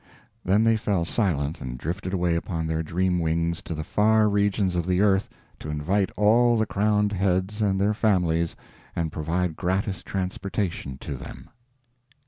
Then they fell silent, and drifted away upon their dream wings to the far regions of the earth to invite all the crowned heads and their families and provide gratis transportation to them.